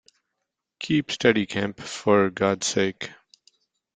Keep steady, Kemp, for God's sake!